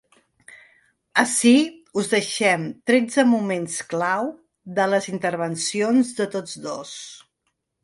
Ací us deixem tretze moments clau de les intervencions de tots dos.